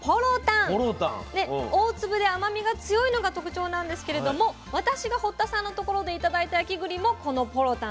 大粒で甘みが強いのが特徴なんですけれども私が堀田さんのところで頂いた焼きぐりもこの「ぽろたん」。